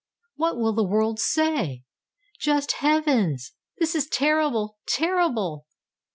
what will the world say? Just heavens! this is terrible—terrible!"